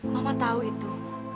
mama tahu itu